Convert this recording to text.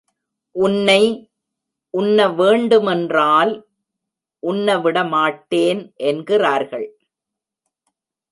உன்னை உன்ன வேண்டுமென்றால் உன்ன விடமாட்டேன் என்கிறார்கள்.